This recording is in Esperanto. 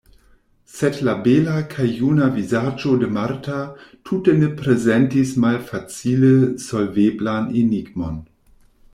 Sed la bela kaj juna vizaĝo de Marta tute ne prezentis malfacile solveblan enigmon.